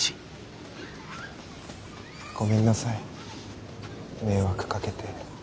ごめんなさい迷惑かけて。